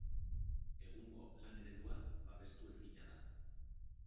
Egungo lan-eredua babestu ezina da.